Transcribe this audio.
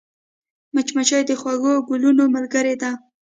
مچمچۍ د خوږو ګلونو ملګرې ده